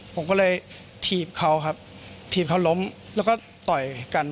ผมก็เลยถีบเขาครับถีบเขาล้มแล้วก็ต่อยกัน